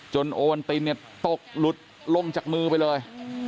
จนโอวันตินตกลุดลงจากมือไปเลย